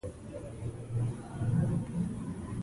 خو زما په کوټه کې نه جاینماز وو، نه فرش او نه هم ظرف.